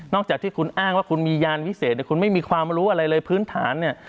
จากที่คุณอ้างว่าคุณมียานวิเศษคุณไม่มีความรู้อะไรเลยพื้นฐานเนี่ย